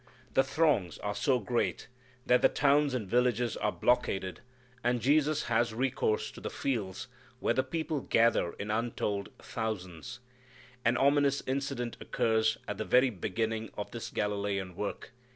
The throngs are so great that the towns and villages are blockaded, and Jesus has recourse to the fields, where the people gather in untold thousands. An ominous incident occurs at the very beginning of this Galilean work.